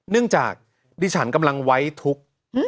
เนื่องจากดิฉันกำลังไว้ทุกข์